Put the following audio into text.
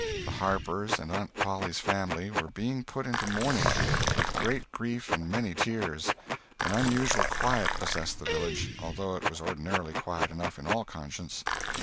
The Harpers, and Aunt Polly's family, were being put into mourning, with great grief and many tears. An unusual quiet possessed the village, although it was ordinarily quiet enough, in all conscience.